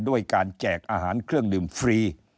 ด้วยการแจกอาหารเครื่องดื่มฟรี